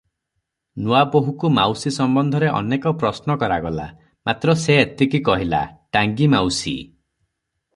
ନୂଆବୋହୂକୁ ମାଉସୀ ସମ୍ବନ୍ଧରେ ଅନେକ ପ୍ରଶ୍ନ କରାଗଲା, ମାତ୍ର ସେ ଏତିକି କହିଲା - "ଟାଙ୍ଗୀ ମାଉସୀ ।"